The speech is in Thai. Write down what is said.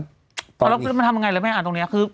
แล้วมันทำยังไงเลยแม่อ่านตรงนี้คือ